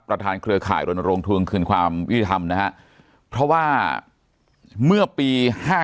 ประธานเครือข่ายรณรงค์ทวงคืนความวิธรรมนะครับเพราะว่าเมื่อปี๕๙